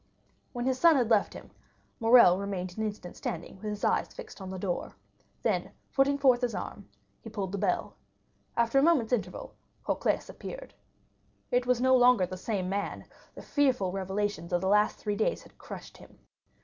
When his son had left him, Morrel remained an instant standing with his eyes fixed on the door; then putting forth his arm, he pulled the bell. After a moment's interval, Cocles appeared. It was no longer the same man—the fearful revelations of the three last days had crushed him.